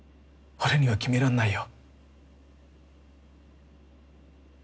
俺には決めらんないよ。